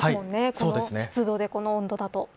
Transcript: この湿度で、この温度だと。